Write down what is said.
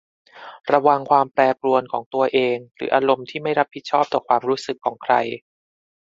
ระวังความแปรปรวนของตัวเองหรืออารมณ์ที่ไม่รับผิดชอบความรู้สึกของใคร